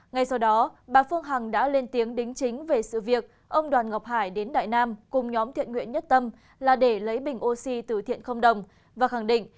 ngay sau đó bà phương hằng đã lên tiếng đính chính về sự việc ông đoàn ngọc hải đến đại nam cùng nhóm thiện nguyện nhất tâm là để lấy bình oxy từ thiện không đồng và khẳng định